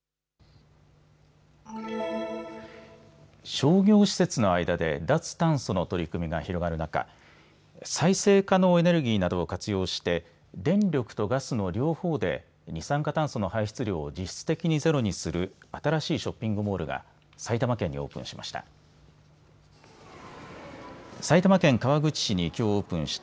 商業施設の間で脱炭素の取り組みが広がる中、再生可能エネルギーなどを活用して電力とガスの両方で二酸化炭素の排出量を実質的にゼロにする新しいショッピングモールが埼玉県にオープンしました。